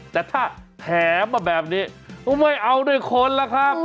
แต่ถ้าแถมมาแบบนี้ก็ไม่เอาด้วยคนล่ะครับ